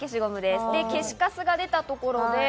消しカスが出たところで。